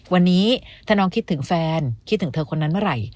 วันนี้ถ้าน้องคิดถึงแฟนคิดถึงเธอคนนั้นเมื่อไหร่